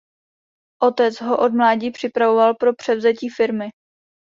Otec ho od mládí připravoval pro převzetí firmy.